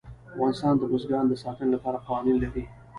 افغانستان د بزګان د ساتنې لپاره قوانین لري.